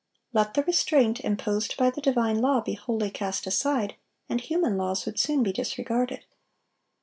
Let the restraint imposed by the divine law be wholly cast aside, and human laws would soon be disregarded.